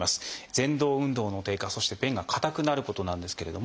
「ぜん動運動の低下」そして「便が硬くなること」なんですけれども。